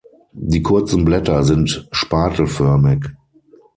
Die kurzen Blätter sind spatelförmig.